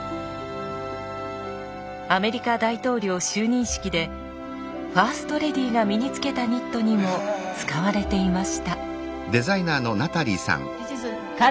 アメリカ大統領就任式でファーストレディーが身につけたニットにも使われていました。